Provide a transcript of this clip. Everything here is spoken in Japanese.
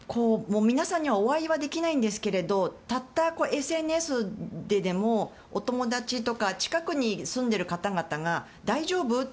皆さんにはお会いはできないんですがたったＳＮＳででも、お友達とか近くに住んでいる方々が大丈夫？